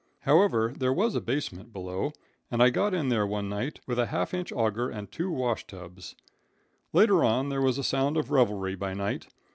However, there was a basement below, and I got in there one night with a half inch auger, and two wash tubs. Later on there was a sound of revelry by night.